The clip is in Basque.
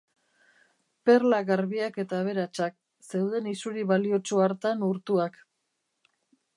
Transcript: Perla garbiak eta aberatsak, zeuden isuri baliotsu hartan urtuak.